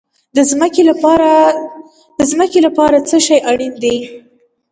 د ځمکې لپاره څه شی اړین دي؟